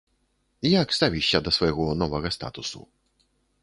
Як ставішся да свайго новага статусу?